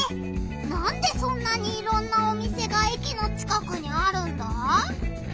なんでそんなにいろんなお店が駅の近くにあるんだ？